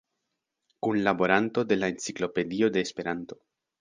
Kunlaboranto de la "Enciklopedio de Esperanto".